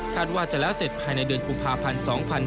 ว่าจะแล้วเสร็จภายในเดือนกุมภาพันธ์๒๕๕๙